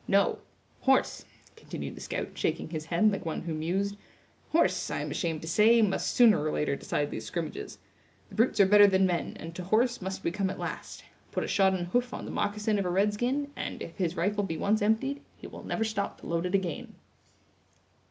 No—horse," continued the scout, shaking his head, like one who mused; "horse, I am ashamed to say must sooner or later decide these scrimmages. The brutes are better than men, and to horse must we come at last. Put a shodden hoof on the moccasin of a red skin, and, if his rifle be once emptied, he will never stop to load it again."